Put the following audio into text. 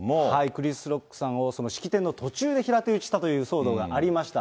クリス・ロックさんを式典の途中で平手打ちしたという騒動がありました。